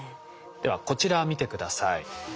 ではこちら見て下さい。